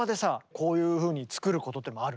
こういうふうに作ることもある？